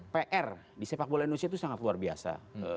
pr di sepak bola indonesia itu sangat luar biasa